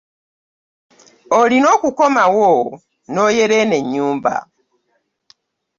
Olina okukomawo noyera eno enyumba.